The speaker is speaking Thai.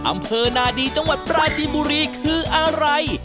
อำเภอนาดีจังหวัดปราจีนบุรีคืออะไร